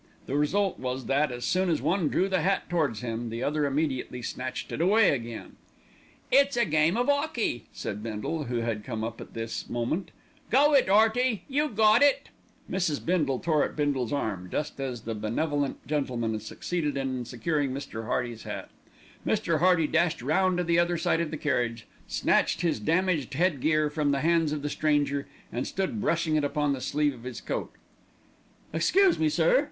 The result was that, as soon as one drew the hat towards him, the other immediately snatched it away again. "It's like a game of 'ockey," said Bindle who had come up at this moment. "Go it, 'Earty, you got it!" Mrs. Bindle tore at Bindle's arm, just as the benevolent gentleman succeeded in securing Mr. Hearty's hat. Mr. Hearty dashed round to the other side of the carriage, snatched his damaged headgear from the hands of the stranger, and stood brushing it upon the sleeve of his coat. "Excuse me, sir!"